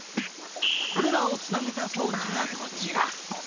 これらをつなげたそうちがこちら。